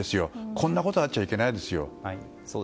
こんなことはあっちゃいけないですよ。